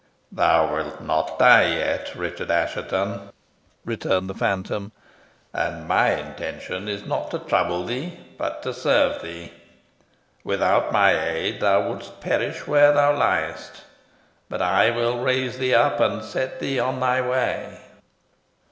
"Thou wilt not die yet, Richard Assheton," returned the phantom; "and my intention is not to trouble thee, but to serve thee. Without my aid thou wouldst perish where thou liest, but I will raise thee up, and set thee on thy way."